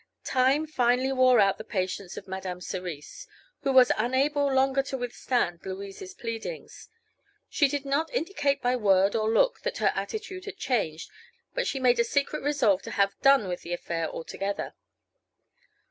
Time finally wore out the patience of Madame Cerise, who was unable longer to withstand Louise's pleadings. She did not indicate by word or look that her attitude had changed, but she made a secret resolve to have done with the affair altogether.